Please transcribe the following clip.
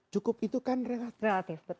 cukup itu kan relatif